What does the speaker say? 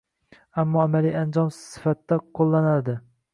balki amaliy anjom sifatida qo‘llanadi.